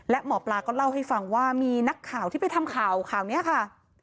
และหมอปลาก็เล่าให้ฟังว่ามีนักข่าวที่ไปทำข่าวข่าวนี้ค่ะ